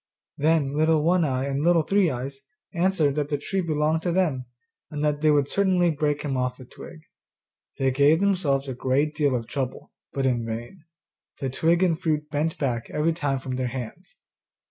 Then Little One eye and Little Three eyes answered that the tree belonged to them, and that they would certainly break him off a twig. They gave themselves a great deal of trouble, but in vain; the twigs and fruit bent back every time from their hands.